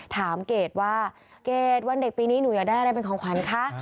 เกรดว่าเกรดวันเด็กปีนี้หนูอยากได้อะไรเป็นของขวัญคะ